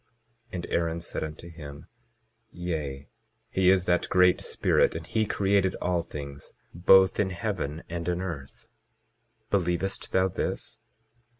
22:10 And Aaron said unto him: Yea, he is that Great Spirit, and he created all things both in heaven and in earth. Believest thou this?